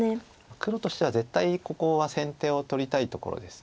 黒としては絶対ここは先手を取りたいところです。